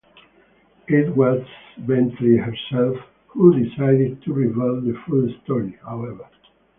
It was Bentley herself who decided to reveal the full story, however.